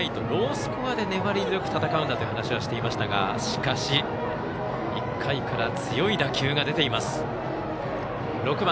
ロースコアで粘り強く戦うんだという話をしていましたがしかし、１回から強い打球が出ています。